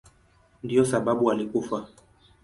Ndiyo sababu alikufa.